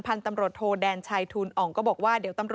พันธุ์ตำรวจโทรแดนชายทูนอ่อนก็บอกว่า